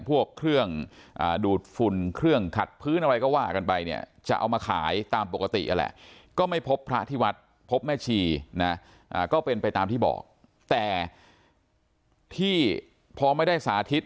ผู้บัวเครื่องดูดฟุ่นเครื่องขัดพื้นอะไรก็ว่ากันไปเนี่ย